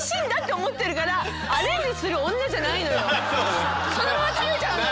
だからそのまま食べちゃうのよ。